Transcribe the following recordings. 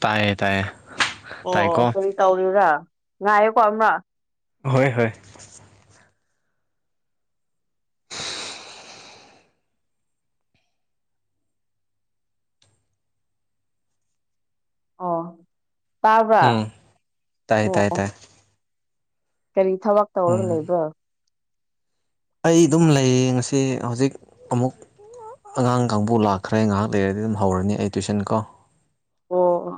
ꯇꯥꯏꯌꯦ ꯇꯥꯏꯌꯦ ꯑꯣ ꯇꯥꯏꯀꯣ ꯑꯣ ꯇꯧꯔꯤꯔ ꯉꯥꯏꯌꯦꯀꯣ ꯑꯃ ꯍꯣꯏ ꯍꯣꯏ ꯑꯣ ꯇꯥꯕ꯭ꯔꯥ ꯎꯝ ꯇꯥꯏ ꯇꯥꯏ ꯑꯣ ꯇꯥꯏ ꯀꯔꯤ ꯊꯕꯛ ꯇꯧꯔꯒ ꯎꯝ ꯂꯩꯕ꯭ꯔꯣ ꯑꯩ ꯑꯗꯨꯝ ꯂꯩꯌꯦ ꯉꯁꯤ ꯍꯧꯖꯤꯛ ꯑꯃꯨꯛ ꯑꯉꯥꯡ ꯀꯥꯡꯕꯨ ꯂꯥꯛꯈ꯭ꯔꯦ ꯉꯥꯏꯍꯥꯛ ꯂꯩꯔꯗꯤ ꯑꯗꯨꯝ ꯍꯧꯔꯅꯤ ꯑꯩ ꯇꯨꯏꯁꯟ ꯀꯣ ꯑꯣ ꯑꯣ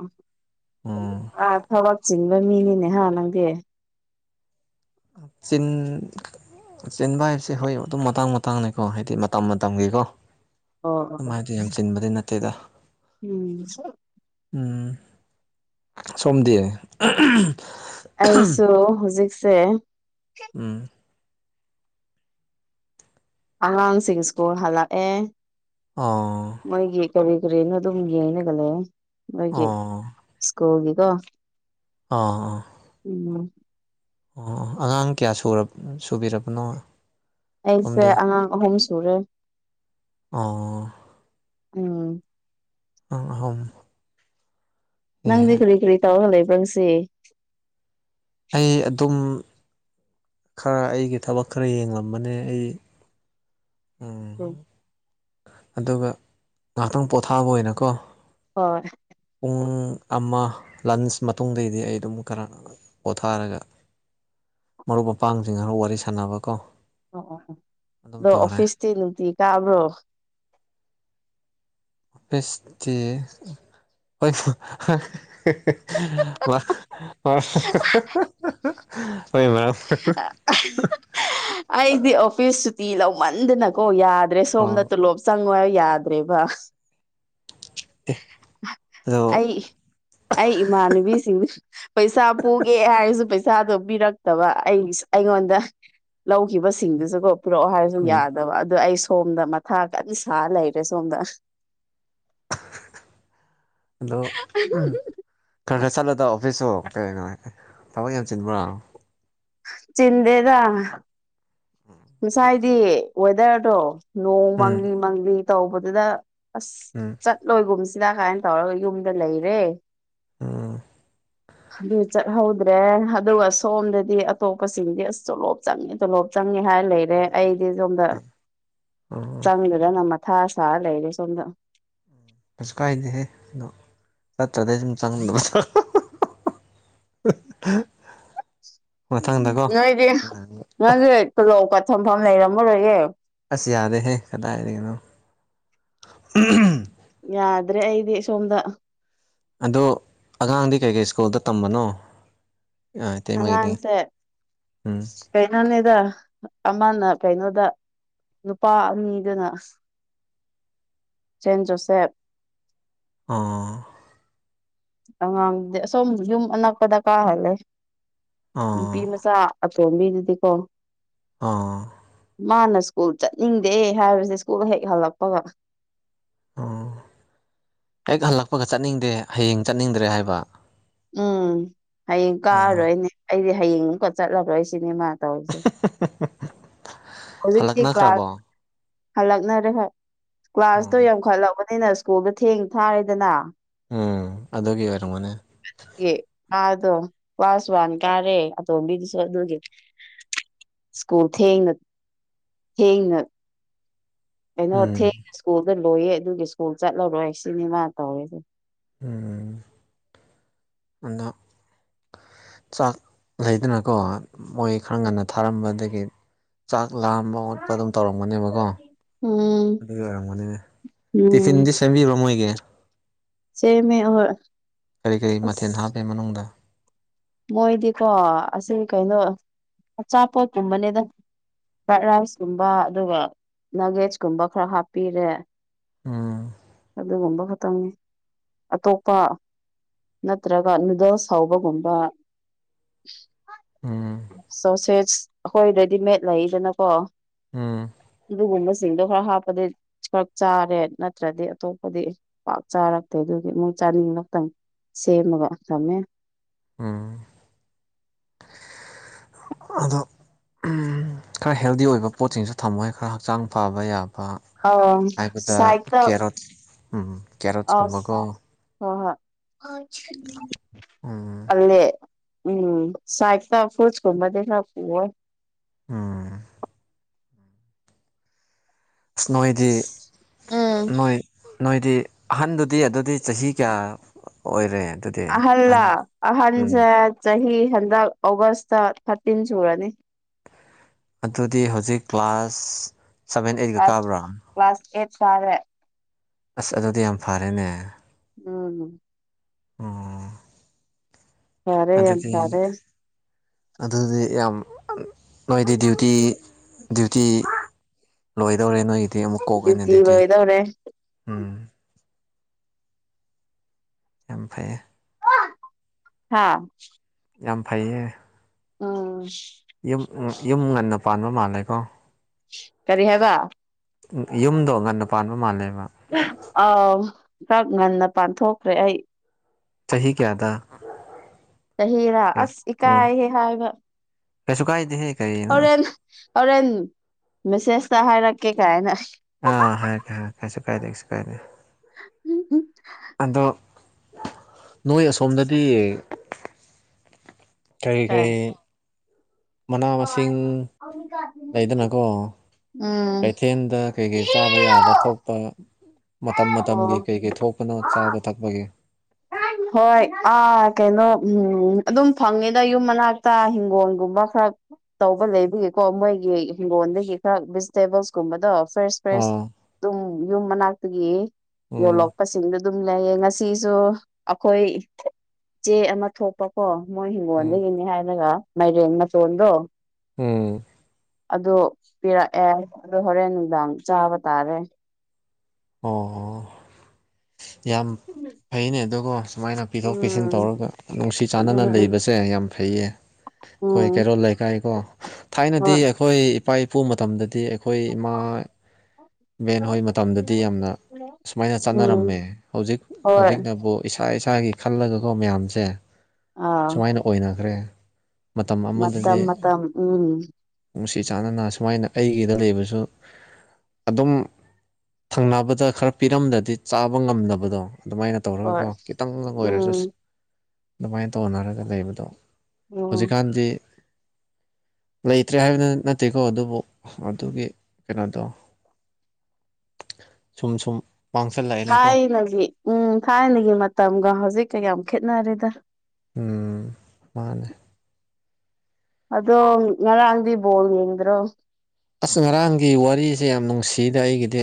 ꯎꯝ ꯑꯥ ꯊꯕꯛ ꯆꯤꯟꯕ ꯃꯤꯅꯤꯅꯦꯍ ꯅꯪꯗꯤ ꯆꯤꯟ ꯆꯦꯟꯕ ꯍꯥꯏꯕꯁꯦ ꯍꯣꯏ ꯑꯗꯨꯝ ꯃꯇꯥꯡ ꯃꯇꯥꯡꯅꯦꯀꯣ ꯍꯥꯏꯗꯤ ꯃꯇꯝ ꯃꯇꯝꯒꯤꯀꯣ ꯑꯣ ꯁꯤ ꯌꯥꯝ ꯆꯤꯟꯕꯗꯤ ꯅꯠꯇꯦꯗ ꯎꯝ ꯎꯝ ꯁꯣꯝꯗꯤ ꯑꯩꯁꯨ ꯍꯧꯖꯤꯛꯁꯦ ꯎꯝ ꯑꯉꯥꯡꯁꯤꯡ ꯁ꯭ꯀꯨꯜ ꯍꯜꯂꯛꯑꯦ ꯑꯥ ꯃꯣꯏꯒꯤ ꯀꯔꯤ ꯀꯔꯤꯅꯣ ꯑꯗꯨꯝ ꯌꯦꯡꯅꯒ ꯂꯩꯦ ꯃꯣꯏꯒꯤ ꯑꯣ ꯁ꯭ꯀꯨꯜꯒꯤꯀꯣ ꯑꯥ ꯑꯥ ꯎꯝ ꯑꯣ ꯑꯉꯥꯡ ꯀꯌꯥ ꯁꯨꯕꯤꯔꯕꯅꯣ ꯑꯩꯁꯦ ꯁꯣꯝꯗꯤ ꯑꯉꯥꯡ ꯑꯍꯨꯝ ꯁꯨꯔꯦ ꯑꯣ ꯎꯝ ꯑꯍꯥꯎ ꯅꯪꯗꯤ ꯀꯔꯤ ꯀꯔꯤ ꯇꯧꯔ ꯍꯜꯂꯕ꯭ꯔꯪꯁꯤꯦ ꯑꯩ ꯑꯗꯨꯝ ꯈꯔ ꯑꯩꯒꯤ ꯊꯕꯛ ꯈꯔ ꯌꯦꯡꯂꯕꯅꯦ ꯑꯩ ꯍꯣꯏ ꯎꯝ ꯑꯗꯨꯒ ꯉꯥꯏꯍꯥꯛꯇꯪ ꯄꯣꯊꯥꯕ ꯑꯣꯏꯅꯀꯣ ꯍꯣꯏ ꯄꯨꯡ ꯑꯃ ꯂꯟꯁ ꯃꯇꯨꯡꯗꯩꯗꯤ ꯑꯩ ꯑꯗꯨꯝ ꯀꯔ ꯅꯨꯡꯉꯥꯏ ꯄꯣꯊꯥꯔꯒ ꯃꯔꯨꯞ ꯃꯄꯥꯡꯁꯤꯡ ꯈꯔ ꯋꯥꯔꯤ ꯁꯥꯟꯅꯕ ꯀꯣ ꯑꯣ ꯑꯣ ꯑꯗꯣ ꯑꯣꯐꯤꯁꯇꯤ ꯅꯨꯡꯇꯤ ꯀꯥꯕ꯭ꯔꯣ ꯃꯦꯁꯤ ꯑꯩ ꯑꯩꯣꯏ ꯉ ꯑꯩꯗꯤ ꯑꯣꯐꯤꯁ ꯁꯨꯇꯤ ꯂꯧꯃꯟꯗꯅꯀꯣ ꯌꯥꯗ꯭ꯔꯦ ꯑꯣ ꯁꯣꯝꯗ ꯇꯣꯂꯣꯞ ꯆꯪꯉ ꯌꯥꯗ꯭ꯔꯦꯕ ꯑꯦ ꯑꯗꯣ ꯑꯩ ꯑꯩ ꯏꯃꯥꯟꯅꯕꯤꯁꯤꯡ ꯄꯩꯁꯥ ꯄꯨꯒꯦ ꯍꯥꯏꯔꯁꯨ ꯄꯩꯁꯥꯗꯣ ꯄꯤꯔꯛꯇꯕ ꯑꯩ ꯑꯩꯉꯣꯟꯗ ꯂꯧꯈꯤꯕꯁꯤꯡꯗꯨꯁꯨꯀꯣ ꯄꯨꯔꯛꯑꯣ ꯍꯥꯏꯔꯁꯨ ꯎꯝ ꯌꯥꯗ ꯑꯗꯨ ꯑꯩ ꯁꯣꯝꯗ ꯃꯊꯥ ꯀ ꯁꯥꯔ ꯂꯩꯔꯦ ꯁꯣꯝꯗ ꯑꯗꯣ ꯈꯔ ꯈꯔ ꯆꯠꯂꯨꯗ ꯑꯣꯐꯤꯁꯁꯨ ꯀꯩꯉꯥꯏ ꯊꯕꯛ ꯌꯥꯝ ꯆꯤꯟꯕ꯭ꯔꯥ ꯆꯤꯟꯦꯗ ꯎꯝ ꯉꯁꯥꯏꯗꯤ ꯋꯦꯗꯔꯗꯣ ꯅꯣꯡ ꯎꯝ ꯃꯪꯂꯤ ꯃꯪꯂꯤ ꯇꯧꯕꯗꯨꯗ ꯑꯁ ꯎꯝ ꯆꯠꯂꯣꯏꯒꯨꯝꯁꯤꯗ ꯀꯥꯏꯅ ꯇꯧꯔꯒ ꯌꯨꯝꯗ ꯂꯩꯔꯦ ꯎꯝ ꯍꯂꯣ ꯆꯠꯍꯧꯗ꯭ꯔꯦ ꯑꯗꯨꯒ ꯁꯣꯝꯗꯗꯤ ꯑꯇꯣꯞꯄꯁꯤꯡꯗꯤ ꯑꯁ ꯇꯣꯂꯣꯞ ꯆꯪꯉꯦ ꯇꯣꯂꯣꯞ ꯆꯪꯉꯦ ꯍꯥꯏ ꯂꯩꯔꯦ ꯑꯩꯗꯤ ꯁꯣꯝꯗ ꯎꯝ ꯆꯪꯗꯨꯗꯅ ꯅꯝꯃ ꯊꯥ ꯁꯥ ꯂꯩꯔꯦ ꯁꯣꯝꯗ ꯀꯩꯁꯨ ꯀꯥꯏꯗꯦꯍꯦ ꯑꯗꯣ ꯆꯠꯇ꯭ꯔꯗꯩ ꯁꯨꯝ ꯆꯪꯗꯕ [inaudible] ꯎ ꯅꯣꯏꯗꯤ ꯅꯪꯁ ꯈꯨꯜꯂꯧꯄꯊꯝꯐꯝ ꯂꯩꯔꯝꯃꯔꯣꯏꯌꯦꯦ ꯑꯁ ꯌꯥꯗꯦꯍꯦ ꯀꯗꯥꯏꯗꯒꯤꯅꯣ ꯌꯥꯗ꯭ꯔꯦ ꯑꯩꯗꯤ ꯁꯣꯝꯗ ꯑꯗꯣ ꯑꯉꯥꯡꯗꯤ ꯀꯩꯀꯩ ꯁ꯭ꯀꯨꯜꯗ ꯇꯝꯕꯅꯣ ꯑꯥ ꯊ ꯃꯗꯤ ꯑꯉꯥꯡꯁꯦ ꯎꯝ ꯀꯩꯅꯣꯅꯤꯗ ꯑꯃꯅ ꯀꯩꯅꯣꯗ ꯅꯨꯄꯥ ꯑꯅꯤꯗꯨꯅ ꯁꯦꯟꯖꯣꯁꯦꯞ ꯑꯥ ꯑꯉꯥꯡ ꯁꯣꯝ ꯌꯨꯝ ꯑꯅꯛꯄꯗ ꯀꯥꯍꯜꯂꯦ ꯑꯣ ꯅꯨꯄꯤ ꯃꯆꯥ ꯑꯇꯣꯝꯕꯤꯗꯨꯗꯤꯀꯣ ꯑꯥ ꯃꯥꯅ ꯁ꯭ꯀꯨꯜ ꯆꯠꯅꯤꯡꯗꯦ ꯍꯥꯏꯕꯁꯦ ꯁ꯭ꯀꯨꯜ ꯍꯦꯛ ꯍꯜꯂꯛꯄꯒ ꯑꯣ ꯍꯦꯛ ꯍꯜꯂꯛꯄꯒ ꯆꯠꯅꯤꯡꯗꯦ ꯍꯌꯦꯡ ꯆꯠꯅꯤꯡꯗ꯭ꯔꯦ ꯍꯥꯏꯕ ꯎꯝ ꯍꯌꯦꯡ ꯑꯣ ꯀꯥꯔꯔꯣꯏꯅꯦ ꯑꯩꯗꯤ ꯍꯌꯦꯡ ꯑꯃꯨꯛꯀ ꯆꯠꯂꯔꯣꯏ ꯁꯤꯅꯦ ꯃꯥ ꯇꯁꯦ ꯍꯧꯖꯤꯛꯀꯤ ꯀ꯭ꯂꯥꯁ ꯍꯜꯂꯛꯅꯈ꯭ꯔꯕꯣ ꯍꯜꯂꯛꯅꯔꯦ ꯎꯝ ꯀ꯭ꯂꯥꯁꯇꯣ ꯌꯥꯝꯈꯠꯂꯛꯕꯅꯤꯅ ꯁ꯭ꯀꯨꯜꯗ ꯊꯦꯡ ꯊꯥꯔꯦꯗꯅ ꯎꯝ ꯑꯗꯨꯒꯤ ꯑꯣꯏꯔꯝꯒꯅꯤ ꯑꯦ ꯑꯗꯣ ꯀ꯭ꯂꯥꯁ ꯋꯥꯟ ꯀꯥꯔꯦ ꯑꯇꯣꯝꯕꯤꯗꯨꯁꯨ ꯑꯗꯨꯒꯤ ꯁ꯭ꯀꯨꯜ ꯊꯦꯡꯅ ꯊꯦꯡꯅ ꯀꯩꯅꯣ ꯎꯝ ꯊꯦꯡ [unintelligible] ꯁ꯭ꯀꯨꯜꯗ ꯂꯣꯏꯌꯦ ꯑꯗꯨꯒꯤ ꯁ꯭ꯀꯨꯜ ꯆꯠꯂꯔꯣꯏ ꯑꯩ ꯁꯤꯅꯤ ꯃꯥ ꯇꯧꯔꯤꯁꯤ ꯎꯝ [unintelligible] ꯆꯥꯛ ꯂꯩꯗꯅꯀꯣ ꯃꯣꯏ ꯈꯔ ꯉꯟꯅ ꯊꯥꯔꯝꯕ ꯑꯗꯒꯤ ꯆꯥꯛ ꯂꯥꯝꯕ ꯑꯣꯠꯄ ꯑꯗꯨꯝ ꯇꯧꯔꯝꯒꯅꯦꯕꯀꯣ ꯎꯝ ꯑꯗꯨꯒꯤ ꯑꯣꯏꯔꯝꯒꯅꯦ ꯎꯝ ꯇꯤꯐꯤꯟꯗꯤ ꯁꯦꯝꯕꯤꯕ꯭ꯔꯣ ꯃꯣꯏꯒꯤ ꯁꯦꯝꯃꯦ ꯑꯣ [unintelligible] ꯀꯔꯤ ꯀꯔꯤ ꯃꯊꯦꯜ ꯍꯥꯞꯄꯦ ꯃꯅꯨꯡꯗ ꯃꯣꯏꯗꯤꯀꯣ ꯑꯁꯤ ꯀꯩꯅꯣ ꯑꯆꯥꯄꯣꯠꯀꯨꯝꯕꯅꯦꯗ ꯐ꯭ꯔꯥꯏꯠ ꯔꯥꯏꯁ ꯀꯨꯝꯕ ꯑꯗꯨꯒ ꯅꯛ ꯚꯦꯖ ꯀꯨꯝꯕ ꯈꯔ ꯍꯥꯞꯄꯤꯔꯦ ꯎꯝ ꯑꯗꯨꯒꯨꯝꯕ ꯈꯛꯇꯪꯅꯤ ꯑꯇꯣꯞꯄ ꯅꯠꯇ꯭ꯔꯒ ꯅꯨꯗꯜꯁ ꯍꯧꯕꯒꯨꯝꯕ ꯎꯝ ꯁꯣ ꯁꯦꯁ ꯑꯩꯈꯣꯏ ꯔꯦ ꯗꯤ ꯃꯦꯗ ꯂꯩꯗꯅꯀꯣ ꯎꯝ ꯑꯗꯨꯒꯨꯝꯕꯁꯤꯡꯗꯣ ꯈꯔ ꯍꯥꯞꯄꯗꯤ [unintelligible] ꯆꯥꯔꯦ ꯅꯠꯇ꯭ꯔꯗꯤ ꯑꯇꯣꯞꯄꯗꯤ ꯄꯥꯛ ꯆꯥꯔꯛꯇꯦ ꯑꯗꯨꯗꯤ ꯃꯣꯏ ꯆꯥꯅꯤꯡꯈꯛꯇꯪ ꯁꯦꯝꯃꯒ ꯊꯝꯃꯦ ꯎꯝ ꯑꯗꯣ ꯈꯔ ꯍꯦꯜ ꯗꯤ ꯑꯣꯏꯕ ꯄꯣꯠꯁꯤꯡꯁꯨ ꯊꯝꯃꯣꯍꯦ ꯈꯔ ꯍꯛꯆꯥꯡ ꯐꯕ ꯌꯥꯕ ꯑꯥ ꯍꯥꯏꯕꯗ ꯁꯥꯏꯠꯇ ꯀꯦ ꯔꯣꯠ ꯎꯝ ꯀꯦꯔꯣꯠꯁꯀꯨꯝꯕꯀꯣ ꯑꯁ ꯍꯣ ꯍꯣ [unintelligible] ꯎꯝ ꯑꯂꯦ ꯎꯝ ꯁꯥꯏꯗ ꯇ [unintelligible] ꯀꯨꯝ ꯕꯗꯤ ꯈꯔ [unintelligible] ꯑꯣꯏ ꯎꯝ ꯏꯁ ꯅꯣꯏꯗꯤ ꯑꯁ ꯎꯝ ꯅꯣꯏ ꯅꯣꯏꯗꯤ ꯑꯍꯟꯗꯨꯗꯤ ꯑꯗꯨꯗꯤ ꯆꯍꯤ ꯀ꯭ꯌꯥ ꯑ ꯑꯣꯏꯔꯦ ꯑꯗꯨ ꯑꯍꯜꯂ ꯑꯍꯟꯁꯦ ꯆꯍꯤ ꯍꯟꯗꯛ ꯑꯣꯒꯁꯇ ꯊꯥꯔꯇꯤꯟ ꯁꯨꯔꯅꯤ ꯑꯗꯨꯗꯤ ꯍꯧꯖꯤꯛ ꯀ꯭ꯂꯥꯁ ꯁꯚꯦꯟ ꯑꯩꯠꯀ ꯀ꯭ꯂꯥꯁ ꯀꯥꯕ꯭ꯔꯥ ꯀ꯭ꯂꯥꯁ ꯑꯦꯠ ꯀꯥꯔꯦ ꯑꯁ ꯑꯗꯨꯗꯤ ꯌꯥꯝ ꯐꯔꯦꯅꯦ ꯎꯝ ꯎꯝ ꯐꯔꯦ ꯌꯥꯝ ꯑꯗꯨꯗꯤ ꯐꯔꯦ ꯑꯗꯨꯗꯤ ꯌꯥꯝ [unintelligible] ꯅꯣꯏꯗꯤ ꯗ꯭ꯌꯨ ꯇꯤ ꯗ꯭ꯌꯨ ꯇꯤ ꯂꯣꯏꯗꯧꯔꯦ ꯅꯣꯏꯒꯤ ꯗꯤ ꯑꯃꯨꯛ ꯀꯣꯛ ꯑꯅ ꯗ꯭ꯌꯨꯇꯤ ꯑꯗꯨꯗꯤ ꯂꯣꯏꯗꯧꯔꯦ ꯎꯝ ꯌꯥꯝ ꯐꯩꯌꯦ [unintelligible] ꯍꯥ ꯌꯥꯝ ꯐꯩꯌꯦ ꯎꯝ ꯌꯨꯝ ꯎꯝ ꯌꯨꯝ ꯉꯟꯅ ꯄꯥꯟꯕ ꯃꯥꯜꯂꯦꯀꯣ ꯀꯔꯤ ꯍꯥꯏꯕ ꯑꯝ ꯌꯨꯝꯗꯣ ꯉꯟꯅ ꯄꯥꯟꯕ ꯃꯥꯜꯂꯦꯕ [unintelligible] ꯑꯥꯎ ꯈꯔ ꯉꯟꯅ ꯄꯥꯟꯊꯣꯛꯈ꯭ꯔꯦ ꯑꯩ ꯆꯍꯤ ꯀ꯭ꯌꯥꯗ ꯆꯍꯤꯔꯥ ꯑꯁ ꯏꯀꯥꯏꯍꯦ ꯍꯥꯏꯕ ꯀꯩꯁꯨ ꯀꯥꯏꯗꯦꯍꯦ ꯀꯔꯤꯅꯣ ꯍꯣꯔꯦꯟ ꯍꯣꯔꯦꯟ ꯃꯦꯁꯦꯁꯇ ꯍꯥꯏꯔꯛꯀꯦ ꯀꯥꯏꯅ ꯑꯥ ꯍꯥꯏ ꯔꯛ [unintelligible] ꯀꯩꯁꯨ ꯀꯥꯏꯗꯦ ꯀꯩꯁꯨ ꯀꯥꯏꯗꯦ [unintelligible] ꯎꯝ ꯎꯝ ꯑꯗꯣ ꯅꯣꯏ ꯑꯁꯣꯝꯗꯗꯤ ꯀꯔꯤ ꯀꯔꯤ ꯃꯅꯥ ꯃꯁꯤꯡ ꯂꯩꯗꯅꯀꯣ ꯎꯝ ꯀꯩꯊꯦꯜꯗ ꯀꯩ ꯀꯩ ꯆꯥꯕ ꯌꯥꯕ ꯊꯣꯛꯄ ꯃꯇꯝ ꯑꯣ ꯃꯇꯝꯒꯤ ꯀꯩ ꯀꯩ ꯊꯣꯛꯄꯅ ꯆꯥꯕ ꯊꯛꯄꯒꯤ ꯍꯣꯏ ꯑꯥ ꯀꯩꯅꯣ ꯎꯝ ꯑꯗꯨꯝ ꯐꯪꯉꯦꯗ ꯌꯨꯝ ꯃꯅꯥꯛꯇ ꯍꯤꯡꯒꯣꯜꯒꯨꯝꯕ ꯈꯔ ꯇꯧꯕ ꯂꯩꯕꯒꯤꯀꯣ ꯃꯣꯏꯒꯤ ꯍꯤꯡꯒꯣꯜꯗꯒꯤ ꯈꯔ ꯚꯤꯖꯤꯇꯦꯕꯜꯁꯀꯨꯝꯕꯗꯣ ꯐ꯭ꯔꯦꯁ ꯐ꯭ꯔꯦꯁ ꯑꯥ ꯑꯗꯨꯝ ꯌꯨꯝ ꯃꯅꯥꯛꯇꯒꯤ ꯎꯝ ꯌꯣꯜꯂꯛꯄꯁꯤꯡꯗ ꯑꯗꯨꯝ ꯂꯩꯌꯦ ꯉꯁꯤꯁꯨ ꯑꯩꯈꯣꯏ ꯆꯦ ꯑꯃ ꯊꯣꯛꯄ ꯑꯣ ꯃꯣꯏ ꯎꯝ ꯍꯤꯡꯒꯣꯜꯗꯒꯤꯅꯤ ꯍꯥꯏꯔꯒ ꯃꯥꯏꯔꯦꯟ ꯃꯇꯆꯣꯟꯗꯣ ꯎꯝ ꯑꯗꯨ ꯄꯤꯔꯛꯑꯦ ꯑꯗꯨ ꯍꯣꯔꯦꯟ ꯅꯨꯡꯗꯥꯡ ꯆꯥꯕ ꯇꯥꯔꯦ ꯑꯣ ꯑꯣ ꯌꯥꯝ ꯐꯩꯅꯦ ꯑꯗꯨꯒ ꯁꯨꯃꯥꯏꯅ ꯄꯤꯊꯣꯛ ꯄꯤꯁꯤꯟ ꯎꯝ ꯇꯧꯔꯒ ꯅꯨꯡꯁꯤ ꯆꯥꯟꯅꯅ ꯎꯝ ꯎꯝ ꯂꯩꯕꯁꯦ ꯌꯥꯝ ꯐꯩꯌꯦ ꯑꯩꯈꯣꯏ ꯎꯝ ꯀꯦꯔꯣꯜ ꯂꯩꯀꯥꯏ ꯀꯣ ꯊꯥꯏꯅꯗꯤ ꯍꯣꯏ ꯑꯩꯈꯣꯏ ꯏꯄꯥ ꯏꯄꯨ ꯃꯇꯝꯗꯗꯤ ꯑꯩꯈꯣꯏ ꯏꯃꯥ ꯏꯕꯦꯟ ꯍꯣꯏ ꯃꯇꯝꯗ ꯗꯤ ꯌꯥꯝꯅ ꯁꯨꯃꯥꯏꯅ ꯎꯝ ꯆꯥꯟꯅꯔꯝꯃꯦ ꯍꯧꯖꯤꯛ ꯍꯣꯏ ꯍꯧꯖꯤꯛꯅꯕꯨ ꯏꯁꯥ ꯏꯁꯥꯒꯤ ꯈꯜꯂꯒꯀꯣ ꯃꯌꯥꯝꯁꯦ ꯑꯥ ꯁꯨꯃꯥꯏꯅ ꯑꯣꯏꯅꯈ꯭ꯔꯦ ꯃꯇꯝ ꯃꯇꯝ ꯑꯃꯗꯗꯤ ꯃꯇꯝ ꯎꯝ ꯅꯨꯡꯁꯤ ꯆꯥꯟꯅꯅ ꯁꯨꯃꯥꯏꯅ ꯑꯩꯒꯤꯗ ꯂꯩꯕꯁꯨ ꯑꯗꯨꯝ ꯊꯪꯅꯕꯗ ꯈꯔ ꯄꯤꯔꯝꯗꯗꯤ ꯆꯥꯕ ꯉꯝꯗꯕꯗꯣ ꯑꯗꯨꯃꯥꯏꯅ ꯍꯣꯏ ꯇꯧꯔꯒꯀꯣ ꯈꯤꯇꯪ ꯑꯣꯏꯔꯁꯨ ꯎꯝ ꯑꯗꯨꯃꯥꯏꯅ ꯇꯧꯅꯔꯒ ꯂꯩꯕꯗꯣ ꯎꯝ ꯍꯧꯖꯤꯛꯀꯥꯟꯗꯤ ꯂꯩꯇ꯭ꯔꯦ ꯍꯥꯏꯕꯗꯨ ꯅꯠꯇꯦꯀꯣ ꯑꯗꯨꯕꯨ ꯑꯗꯨꯒꯤ ꯀꯩꯅꯣꯗꯣ ꯁꯨꯝ ꯁꯨꯝ ꯃꯥꯡꯁꯤꯜꯂꯛ ꯊꯥꯏꯅꯒꯤ ꯎꯝ ꯊꯥꯏꯅꯒꯤ ꯃꯇꯝꯒ ꯍꯧꯖꯤꯛꯀꯥ ꯌꯥꯝ ꯈꯦꯠꯅꯔꯦꯗ ꯎꯝ ꯃꯥꯅꯦ ꯑꯗꯣ ꯉꯔꯥꯡꯗꯤ ꯕꯣꯜ ꯌꯦꯡꯗ꯭ꯔꯣ ꯑꯁ ꯉꯔꯥꯡꯒꯤ ꯋꯥꯔꯤꯁꯦ ꯌꯥꯝ ꯅꯨꯡꯁꯤꯗ ꯑꯩꯒꯤꯗꯤ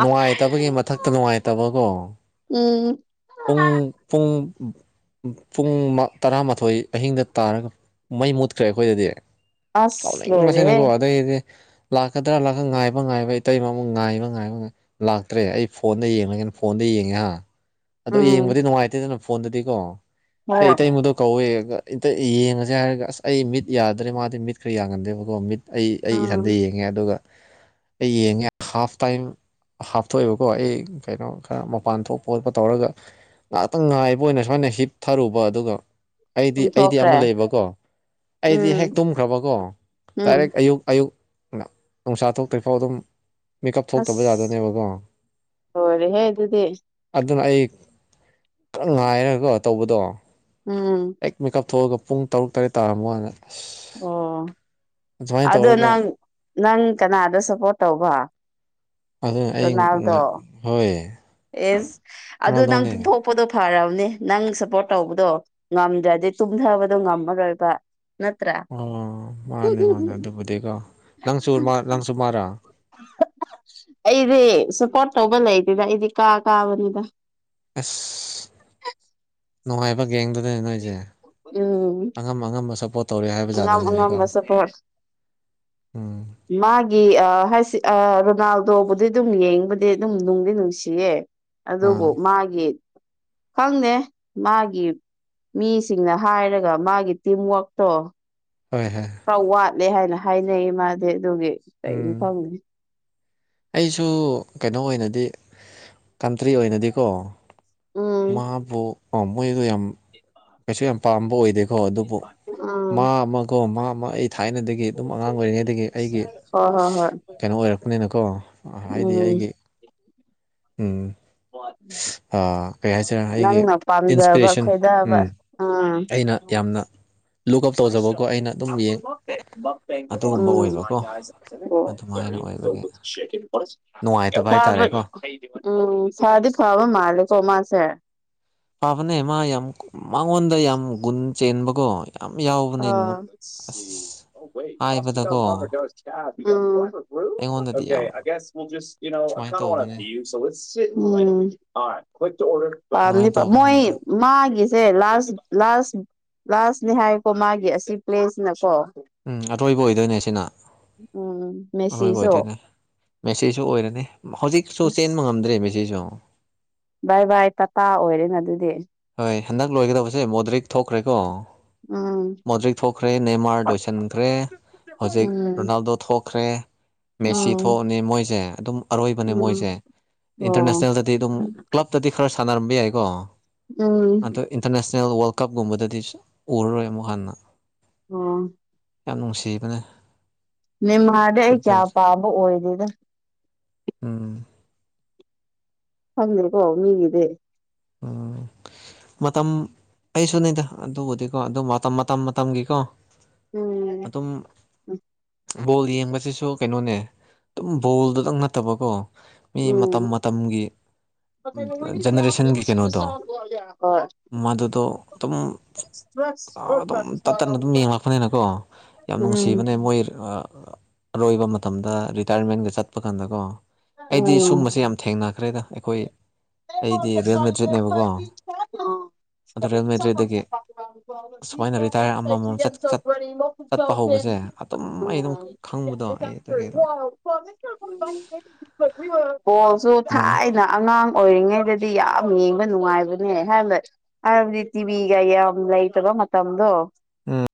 ꯅꯨꯡꯉꯥꯏꯇꯕꯒꯤ ꯃꯊꯛꯇ ꯅꯨꯡꯉꯥꯏꯇꯕꯀꯣ ꯎꯝ ꯄꯨꯡ ꯄꯨꯡ ꯄꯨꯡ ꯇꯔꯥꯃꯥꯊꯣꯏ ꯑꯍꯤꯡꯗ ꯇꯥꯔꯒ ꯃꯩ ꯃꯨꯠꯈ꯭ꯔꯦ ꯑꯩꯈꯣꯏꯗꯗꯤ ꯑꯁ ꯂꯣꯏꯔꯦꯍꯦ ꯁꯥꯎꯅꯤꯡꯕꯁꯤꯅꯀꯣ ꯑꯗꯩꯗꯤ ꯂꯥꯛꯀꯗ꯭ꯔꯥ ꯂꯥꯛ ꯉꯥꯏꯕ ꯉꯥꯏꯕ ꯏꯇꯩꯃꯥ ꯑꯃꯨꯛ ꯉꯥꯏꯕ ꯉꯥꯏꯕ ꯉꯥꯏ ꯂꯥꯛꯇ꯭ꯔꯦ ꯑꯩ ꯐꯣꯟꯗ ꯌꯦꯡꯂꯒꯦꯅ ꯐꯣꯟꯗ ꯌꯦꯡꯉꯦꯍꯥ ꯑꯗꯣ ꯎꯝ ꯌꯦꯡꯕꯗꯤ ꯅꯨꯡꯉꯥꯏꯇꯦꯗꯅ ꯐꯣꯟꯗꯗꯤꯀꯣ ꯍꯣꯏ ꯑꯩ ꯏꯇꯩꯃꯥꯗꯣ ꯀꯧꯋꯦ ꯏꯇꯩ ꯌꯦꯡꯉꯁꯦ ꯍꯥꯏꯔꯒ ꯑꯁ ꯑꯩ ꯃꯤꯠ ꯌꯥꯗ꯭ꯔꯦ ꯃꯥꯗꯤ ꯃꯤꯠ ꯈꯔ ꯌꯥꯒꯟꯗꯦꯕꯀꯣ ꯃꯤꯠ ꯑꯩ ꯑꯩ ꯎꯝ ꯏꯊꯟꯗ ꯌꯦꯡꯉꯦ ꯑꯗꯨꯒ ꯑꯩ ꯌꯦꯡꯉꯦ ꯍꯥꯐ ꯇꯥꯏꯝ ꯍꯥꯞꯇꯣꯛꯑꯦꯕꯀꯣ ꯑꯩ ꯀꯩꯅꯣ ꯈꯔ ꯃꯄꯥꯟ ꯊꯣꯛꯄ ꯈꯣꯠꯄ ꯇꯧꯔꯒ ꯉꯥꯏꯍꯥꯛꯇꯪ ꯉꯥꯏꯕ ꯑꯣꯏꯅ ꯁꯨꯃꯥꯏꯅ ꯍꯤꯞ ꯊꯔꯨꯕ ꯑꯗꯨꯒ ꯑꯩꯗꯤ ꯑꯩꯗꯤ ꯇꯨꯝꯊꯣꯛꯈ꯭ꯔꯦ ꯑꯃ ꯂꯩꯕꯀꯣ ꯑꯩꯗꯤ ꯍꯦꯛ ꯎꯝ ꯇꯨꯝꯈ꯭ꯔꯕꯀꯣ ꯎꯝ ꯗꯥꯏꯔꯦꯛ ꯑꯌꯨꯛ ꯑꯌꯨꯛ ꯅꯨꯡꯁꯥ ꯊꯣꯛꯇ꯭ꯔꯤꯐꯥꯎ ꯑꯗꯨꯝ ꯃꯤꯀꯞ ꯊꯣꯛꯇꯕ ꯑꯁ ꯌꯥꯗꯣꯏꯅꯦꯕꯀꯣ ꯂꯣꯏꯔꯦꯍꯦ ꯑꯗꯨꯗꯤ ꯑꯗꯨꯅ ꯑꯩ [unintelligible] ꯉꯥꯏꯔꯒꯣ ꯇꯧꯕꯗꯣ ꯎꯝ ꯍꯦꯛ ꯃꯦꯀꯞ ꯊꯣꯛꯑꯒ ꯄꯨꯡ ꯇꯔꯨꯛ ꯇꯔꯦꯠ ꯇꯥꯔꯝꯃꯥ ꯀꯥꯟꯗ ꯑꯁ ꯑꯣ ꯑꯗꯨꯃꯥꯏꯅ ꯑꯗꯣ ꯇꯧꯔꯒ ꯅꯪ ꯅꯪ ꯀꯅꯥꯗ ꯁꯞꯄꯣꯔꯠ ꯇꯧꯕ ꯑꯗꯨ ꯑꯩ ꯉꯥ ꯔꯣꯅꯥꯜꯗꯣ ꯍꯣꯏ ꯑꯦꯁ ꯑꯗꯨ ꯅꯪ ꯔꯣꯅꯥꯜꯗꯣꯅꯦ ꯆꯨꯝꯊꯣꯛ ꯄꯣꯗꯣ ꯐꯔꯕꯅꯤ ꯅꯪ ꯁꯞꯄꯣꯔꯠ ꯇꯧꯕꯗꯣ ꯉꯝꯗ꯭ꯔꯗꯤ ꯇꯨꯝꯊꯕꯗꯣ ꯉꯝꯃꯔꯣꯏꯕ ꯅꯠꯇ꯭ꯔꯥ ꯎꯝ ꯃꯥꯅꯦ ꯃꯥꯅꯦ ꯑꯗꯨꯕꯨꯗꯤꯀꯣ ꯅꯪꯁꯨ ꯃꯥ ꯅꯪꯁꯨ ꯃꯥꯔ [unintelligible] ꯑꯩꯗꯤ ꯁꯞꯄꯣꯔꯠ ꯇꯧꯕ ꯂꯩꯇꯦꯗ ꯑꯩꯗꯤ ꯀꯥ ꯀꯥꯕꯅꯤꯗ ꯑꯁ ꯅꯨꯡꯉꯥꯏꯕ ꯒꯦꯡꯗꯨꯗꯅꯦ ꯅꯣꯏꯁꯦ ꯎꯝ ꯑꯉꯝ ꯑꯉꯝꯕ ꯁꯞꯄꯣꯔꯠ ꯇꯧꯔꯦ ꯍꯥꯏꯕ ꯑꯉꯝ ꯖꯥꯗꯅꯤꯅꯦꯀꯣ ꯑꯉꯝꯕ ꯁꯞꯄꯣꯔꯠ [unintelligible] ꯃꯥꯒꯤ ꯑꯥ ꯍꯥꯏꯁꯤ ꯑꯥ ꯔꯣꯅꯥꯜꯗꯣꯕꯨꯗꯤ ꯑꯗꯨꯝ ꯌꯦꯡꯕꯗꯤ ꯑꯗꯨꯝ ꯅꯨꯡꯗꯤ ꯅꯨꯡꯁꯤꯌꯦ ꯑꯗꯨꯕꯨ ꯑꯥ ꯃꯥꯒꯤ ꯈꯪꯗꯦ ꯃꯥꯒꯤ ꯃꯤꯁꯤꯡꯅ ꯍꯥꯏꯔꯒ ꯃꯥꯒꯤ ꯇꯤꯝꯋꯥꯛꯇꯣ ꯍꯣꯏꯍꯦ ꯈꯔ ꯋꯥꯠꯂꯦ ꯍꯥꯏꯅ ꯍꯥꯏꯅꯩ ꯃꯥꯗꯤ ꯑꯗꯨꯒꯤ ꯀꯩꯅꯣ ꯎꯝ ꯈꯪꯗꯦ ꯑꯩꯁꯨ ꯀꯩꯅꯣ ꯑꯣꯏꯅꯗꯤ ꯀꯟꯇ꯭ꯔꯤ ꯑꯣꯏꯅꯗꯤꯀꯣ ꯎꯝ ꯃꯥꯕꯨ ꯃꯣꯏꯗꯣ ꯌꯥꯝ ꯀꯩꯁꯨ ꯌꯥꯝ ꯄꯥꯝꯕ ꯑꯣꯏꯗꯦꯀꯣ ꯑꯗꯨꯕꯨ ꯎꯝ ꯃꯥ ꯑꯃꯒꯀꯣ ꯃꯥ ꯑꯃ ꯑꯩ ꯊꯥꯏꯅꯗꯒꯤ ꯑꯗꯨꯝ ꯑꯉꯥꯡ ꯑꯣꯏꯔꯤꯉꯩꯗꯒꯤ ꯑꯩꯒꯤ ꯍꯣꯏ ꯍꯣꯏ ꯍꯣꯏ ꯀꯩꯅꯣ ꯑꯣꯏꯔꯛꯄꯅꯤꯅ ꯍꯥꯏꯗꯤ ꯎꯝ ꯑꯩꯒꯤ ꯎꯝ [unintelligible] ꯑꯥ ꯀꯩ ꯍꯥꯏꯁꯤꯔꯥ ꯑꯩꯒꯤ ꯅꯪꯅ ꯄꯥꯝꯖꯕ ꯏꯟꯁꯄꯤꯔꯦꯁꯟ ꯈꯣꯏꯗꯕ ꯎꯝ ꯎꯝ ꯑꯩꯅ ꯌꯥꯝꯅ [inaudible] ꯂꯨꯛ ꯑꯞ [unintelligible] ꯇꯧꯖꯕꯀꯣ ꯎꯝ ꯑꯩꯅ ꯑꯗꯨꯝ ꯌꯦꯡ ꯑꯗꯨꯒꯨꯝꯕ ꯑꯣꯏꯕꯀꯣ ꯑꯗꯨꯃꯥꯏꯅ ꯑꯣꯏꯕꯒꯤ ꯅꯨꯡꯉꯥꯏꯇꯕ ꯍꯥꯏꯇꯥꯔꯦꯀꯣ ꯐꯗꯤ ꯐꯕ ꯃꯥꯜꯂꯦ ꯀꯣ ꯃꯥꯁꯦ ꯐꯥꯕꯅꯦ ꯃꯥ ꯌꯥꯝ ꯃꯉꯣꯟꯗ ꯌꯥꯝ ꯒꯨꯟ ꯆꯦꯟꯕꯀꯣ ꯌꯥꯝ ꯑꯣ [unintelligible] ꯎꯝ [unintelligible] [unintelligible] ꯎꯝ ꯌꯥꯎꯕ ꯍꯥꯏꯕꯗꯀꯣ ꯑꯩꯉꯣꯟꯗꯗꯤ ꯌꯥꯝ ꯁꯨꯃꯥꯏꯅ ꯇꯧꯕꯅꯦ [unintelligible] ꯑꯗꯨꯃꯥꯏꯅ ꯄꯥꯝꯅꯦꯕ ꯇꯧꯕꯅꯦ ꯃꯣꯏ ꯑꯗ ꯃꯥꯒꯤꯁꯦ ꯂꯥꯁ ꯂꯥꯁ ꯂꯥꯁꯅꯦ ꯍꯥꯏ ꯀꯣ ꯃꯥꯥꯒꯤ ꯑꯁꯤ ꯄ꯭ꯂꯦꯁꯅꯤꯅꯀꯣ ꯎꯝ ꯑꯇꯣꯏꯕ ꯑꯣꯏꯗꯣꯏꯅꯦ ꯁꯤꯅ ꯎꯝ ꯑꯔꯣꯏꯕ ꯃꯦꯁꯤꯁꯨ ꯑꯣꯏꯗꯣꯏꯅꯦ ꯃꯦꯁꯤꯁꯨ ꯑꯣꯏꯔꯅꯤ ꯍꯧꯖꯤꯛꯁꯨ ꯑꯁ ꯆꯦꯟꯕ ꯉꯝꯗ꯭ꯔꯦ ꯃꯦꯁꯤꯁꯨ ꯕꯥꯏ ꯕꯥꯏ ꯇꯥꯇꯥ ꯑꯣꯏꯔꯦꯅ ꯑꯗꯨꯗꯤ ꯍꯣꯏ ꯍꯟꯗꯛ ꯂꯣꯏꯒꯗꯧꯕꯁꯦ ꯃꯣꯗ꯭ꯔꯤꯛ ꯊꯣꯛꯈ꯭ꯔꯦꯀꯣ ꯎꯝ ꯃꯣꯗ꯭ꯔꯤꯛ ꯊꯣꯛꯈ꯭ꯔꯦ ꯅꯦꯃꯥꯔ ꯂꯣꯏꯁꯤꯟꯈ꯭ꯔꯦ ꯍꯧꯖꯤꯛ ꯎꯝ ꯔꯣꯅꯥꯜꯗꯣ ꯊꯣꯛꯈ꯭ꯔꯦ ꯃꯦꯠꯁꯤ ꯎꯝ ꯊꯣꯛꯑꯅꯤ ꯃꯣꯏꯁꯦ ꯑꯗꯨꯝ ꯑꯔꯣꯏꯕꯅꯦ ꯎꯝ ꯃꯣꯏꯁꯦ ꯑꯣ ꯏꯟꯇꯔꯅꯦꯁꯅꯦꯜꯗꯗꯤ ꯑꯗꯨꯝ ꯀ꯭ꯂꯞꯇꯗꯤ ꯈꯔ ꯁꯥꯟꯅꯔꯝꯕ ꯌꯥꯏꯀꯣ ꯑꯗꯣ ꯎꯝ ꯏꯟꯇꯔꯅꯦꯁꯅꯦꯜ ꯋꯥꯔꯜ ꯀꯞꯒꯨꯝꯕꯗꯗꯤ ꯎꯔꯔꯣꯏ ꯑꯃꯨꯛ ꯍꯟꯅ ꯎꯝ ꯌꯥꯝ ꯅꯨꯡꯁꯤꯕꯅꯦ ꯅꯦꯃꯥꯔꯗꯤ ꯑꯩ ꯀꯌꯥ ꯐꯨꯠꯕꯣꯜꯁꯦ ꯄꯥꯝꯕ ꯑꯣꯏꯗꯦꯗ ꯎꯝ ꯈꯪꯗꯦꯀꯣ ꯃꯤꯒꯤꯗꯤ ꯎꯝ ꯃꯇꯝ ꯑꯩꯁꯨꯅꯤꯗ ꯑꯗꯨꯕꯨꯗꯤꯀꯣ ꯑꯗꯨ ꯃꯇꯝ ꯃꯇꯝ ꯃꯇꯝꯒꯤꯀꯣ ꯎꯝ ꯑꯗꯨꯝ ꯕꯣꯜ ꯌꯦꯡꯕꯁꯤꯁꯨ ꯀꯩꯅꯣꯅꯦ ꯑꯗꯨꯝ ꯕꯣꯜꯗꯨꯗꯪ ꯅꯠꯇꯕꯀꯣ ꯃꯤ ꯃꯇꯝ ꯎꯝ ꯃꯇꯝꯒꯤ ꯖꯦꯅꯦꯔꯦꯁꯟꯒꯤ ꯑꯗꯣ ꯍꯣꯏ ꯃꯗꯨꯗꯣ ꯑꯗꯨꯝ ꯑ ꯑꯗꯨꯝ ꯇꯠꯇꯅ ꯑꯗꯨꯝ ꯌꯦꯡꯉꯛꯄꯅꯤꯅꯀꯣ ꯌꯥꯝ ꯎꯝ ꯅꯨꯡꯁꯤꯕꯅꯦ ꯃꯣꯏ ꯑꯥ ꯑꯔꯣꯏꯕ ꯃꯇꯝꯗ ꯔꯤꯇꯥꯌꯔꯃꯦꯟꯒ ꯆꯠꯄ ꯀꯥꯟꯗꯀꯣ ꯑꯩꯗꯤ ꯎꯝ ꯁꯨꯝꯕꯁꯦ ꯌꯥꯝ ꯊꯦꯡꯅꯈ꯭ꯔꯦꯗ ꯑꯩꯈꯣꯏ ꯑꯩꯗꯤ ꯔꯤꯌꯦꯜꯃꯦꯠ [inaudible] [inaudible] [unintelligible] ꯎꯝ [unintelligible] ꯑꯗꯣ ꯔꯤꯌꯦꯜ ꯃꯦꯗ꯭ꯔꯤꯠꯇꯒꯤ ꯑꯁꯨꯃꯥꯏꯅ ꯔꯤꯇꯥꯌꯔ ꯑꯃꯃꯝ ꯆꯠ ꯆꯠ ꯆꯠꯄ ꯍꯧꯕꯁꯦ ꯑꯗꯨꯝ ꯑꯩ ꯑꯗꯨꯝ ꯈꯪꯕꯗꯣ ꯑꯩ ꯑꯗꯨꯒꯤ ꯑꯗꯨꯝ [unintelligible] ꯀꯣꯜꯁꯨ ꯅꯨꯡꯉꯥꯏ ꯊꯥꯏꯅ ꯑꯉꯥꯡ ꯑꯣꯏꯔꯤꯉꯩꯗꯗꯤ ꯌꯥꯝ ꯌꯦꯡꯕ ꯅꯨꯡꯉꯥꯏꯕꯅꯦ ꯍꯥꯏꯕ ꯍꯥꯏꯕꯗꯤ ꯇꯤꯕꯤꯒ ꯌꯥꯝ ꯂꯩꯇꯕ ꯃꯇꯝꯗꯣ ꯎꯝ